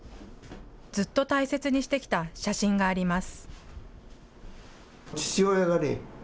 ずっと大切にしてきた写真があります。